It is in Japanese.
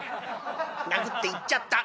殴って行っちゃった。